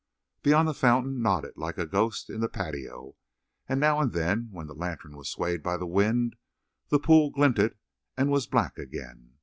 Beyond the fountain nodded like a ghost in the patio, and now and then, when the lantern was swayed by the wind, the pool glinted and was black again.